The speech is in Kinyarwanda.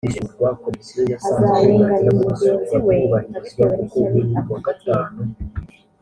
azarenganya mugenzi we abitewe n’ishyari amufitiye